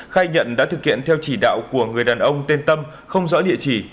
khai nhận đã thực hiện theo chỉ đạo của người đàn ông tên tâm không rõ địa chỉ